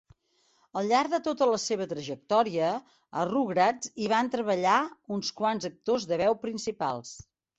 Al llarg de tota la seva trajectòria, a 'Rugrats' hi van treballar uns quants actors de veu principals.